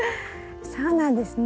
そうなんですね。